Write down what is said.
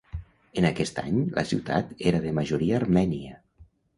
En aquest any la ciutat era de majoria armènia.